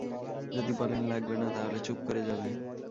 যদি বলেন লাগবে না, তাহলে চুপ করে যাবে।